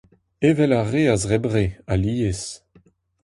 Evel ar re a zebr re, alies.